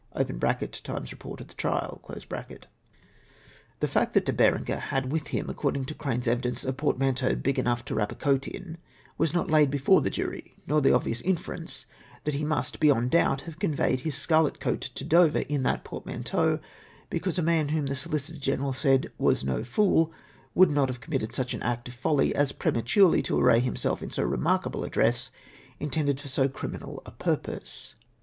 {Times report of the trial.) The fact that He Berenger liad with him, according to Crane's evidence, " a portmanteau big enough to wrap a coat in," was not laid before the jury, nor the obvious inference, tliat he must, beyond doubt, have conveyed his scarlet coat to Dover in that portman teau, because a man whom the Solicitor General said " icas no fool,'' would not have committed such an act of folly as prematureli/ to array liimself in so remark able a dress, intended for so criminal a pmpose.